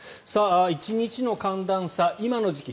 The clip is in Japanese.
１日の寒暖差、今の時期